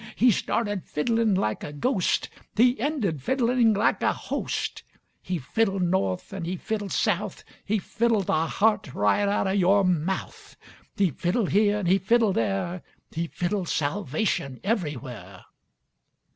He started fiddling like a ghost. He ended fiddling like a host. He fiddled north an' he fiddled south, He fiddled the heart right out of yore mouth. He fiddled here an' he fiddled there. He fiddled salvation everywhere.